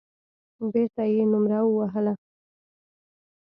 بېرته يې نومره ووهله.